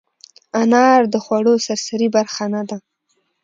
انار د خوړو سرسري برخه نه ده.